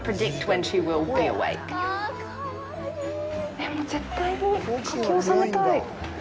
えっ、もう絶対に描き収めたい！